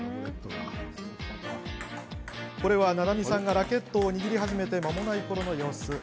これは菜々美さんがラケットを握り始めて、まもないころの様子。